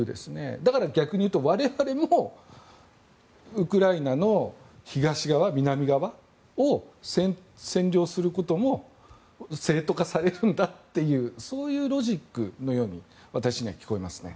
だから逆に言うと我々もウクライナの東側、南側を占領することも正当化されるんだというそういうロジックのように私には聞こえますね。